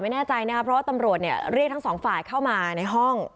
ไม่แน่ใจนะครับเพราะว่าตำรวจเนี่ยเรียกทั้งสองฝ่ายเข้ามาในห้อง